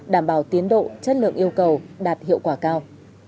đảm bảo tiến độ chất lượng yêu cầu đạt hiệu quả cao